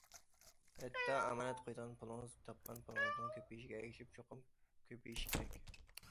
ھەتتا ئامانەت قويىدىغان پۇلىڭىز تاپقان پۇلىڭىزنىڭ كۆپىيىشىگە ئەگىشىپ چوقۇم كۆپىيىشى كېرەك.